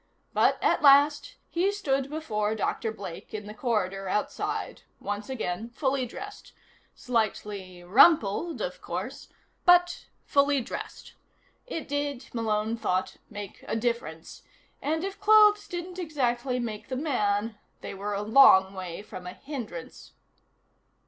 But, at last, he stood before Dr. Blake in the corridor outside, once again fully dressed. Slightly rumpled, of course, but fully dressed. It did, Malone thought, make a difference, and if clothes didn't exactly make the man they were a long way from a hindrance.